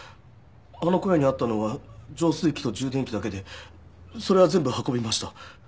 あの小屋にあったのは浄水器と充電器だけでそれは全部運びました。